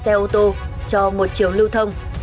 xe ô tô cho một chiều lưu thông